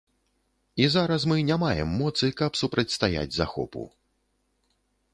І зараз мы не маем моцы, каб супрацьстаяць захопу.